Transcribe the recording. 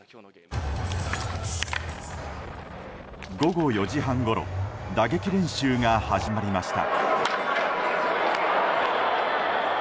午後４時半ごろ打撃練習が始まりました。